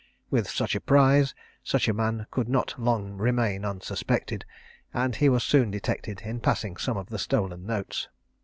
With such a prize such a man could not long remain unsuspected, and he was soon detected in passing some of the stolen notes.